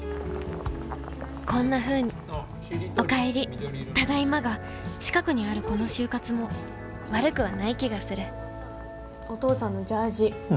こんなふうに「お帰り」「ただいま」が近くにあるこの就活も悪くはない気がするお父さんのジャージ。